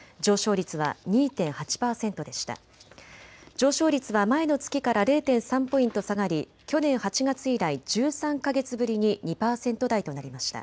上昇率は前の月から０．３ポイント下がり去年８月以来の２％台となりました。